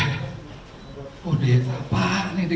kudeta apaan ini